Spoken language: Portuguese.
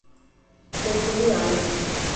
pecuniária